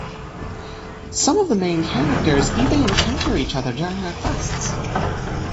Some of the main characters even encounter each other during their quests.